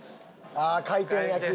ああ回転焼き。